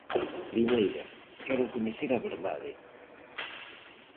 Primeira, queren coñecer a verdade.